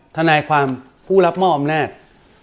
ทนายความผู้รับมอบอำนาจ